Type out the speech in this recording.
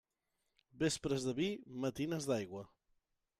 Vespres de vi, matines d'aigua.